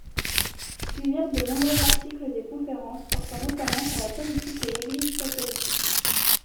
Suivirent de nombreux articles et conférences, portant notamment sur la politique et l’Église catholique.